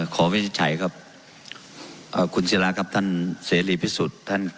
วินิจฉัยครับคุณศิราครับท่านเสรีพิสุทธิ์